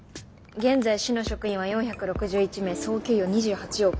現在市の職員は４６１名総給与２８億。